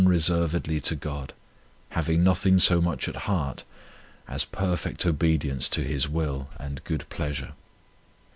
36 Purity of Heart reservedly to God, having nothing so much at heart as perfect obedience to His will and good pleasure.